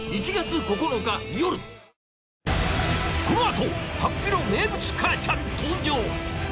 このあと龍飛の名物母ちゃん登場。